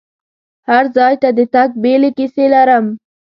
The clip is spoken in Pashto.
هر ځای ته د تګ بیلې کیسې لرم.